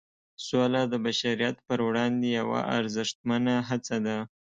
سوله د بشریت پر وړاندې یوه ارزښتمنه هڅه ده.